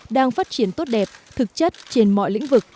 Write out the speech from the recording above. đang phát triển tốt đẹp thực chất trên mọi lĩnh vực